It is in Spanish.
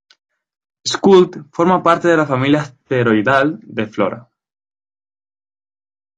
Skuld forma parte de la familia asteroidal de Flora.